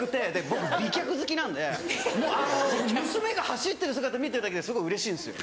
僕美脚好きなんでもうあの娘が走ってる姿見てるだけですごいうれしいんですよ。